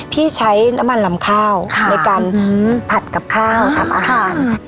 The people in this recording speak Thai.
ที่ใช้น้ำมันลำข้าวในการผัดกับข้าวทำอาหาร